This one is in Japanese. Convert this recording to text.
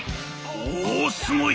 「おすごい！